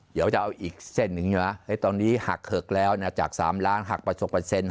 เดี๋ยวจะเอาอีกเส้นหนึ่งนะตอนนี้หักเหิกแล้วนะจาก๓ล้านหักประชกเปอร์เซ็นต